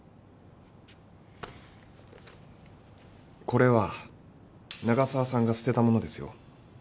これは長澤さんが捨てたものですよ。